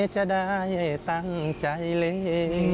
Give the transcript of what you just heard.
จะได้ตั้งใจเล็ง